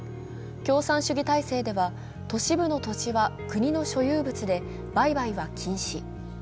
共産主義体制では都市部の土地は国の所有物で売買は禁止。